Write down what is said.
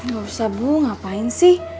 gausah bu ngapain sih